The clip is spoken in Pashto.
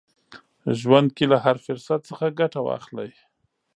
ژوند کې له هر فرصت څخه ګټه واخلئ.